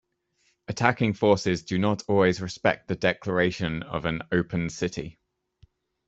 Attacking forces do not always respect the declaration of an "open city".